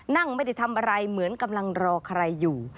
นั่งไม่ได้ทำอะไรเหมือนกำลังรอใครอยู่